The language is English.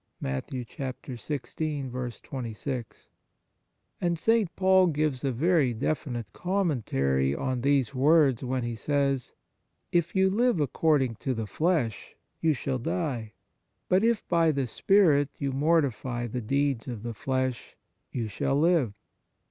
"* And St. Paul gives a very definite commentary on these words when he says :" If you live according to the flesh, you shall die. But if by the spirit you mortify the deeds of the flesh, you shall live".